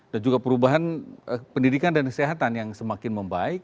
dan juga perubahan pendidikan dan kesehatan yang semakin membaik